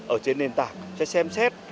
ở trên nền tảng sẽ xem xét